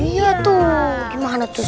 iya tuh gimana tuh